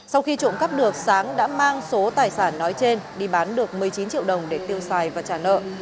sau khi trộm cắp được sáng đã mang số tài sản nói trên đi bán được một mươi chín triệu đồng để tiêu xài và trả nợ